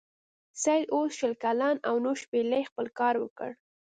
سید اوس شل کلن و نو شپیلۍ خپل کار وکړ.